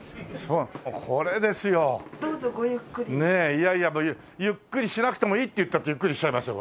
いやいやもうゆっくりしなくてもいいって言ったってゆっくりしちゃいますよ